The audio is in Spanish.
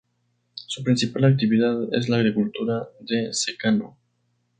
Su principal actividad es la agricultura de secano.